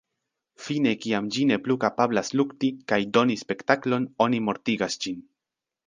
Fine kiam ĝi ne plu kapablas lukti, kaj "doni spektaklon", oni mortigas ĝin.